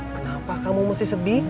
kenapa kamu mesti sedih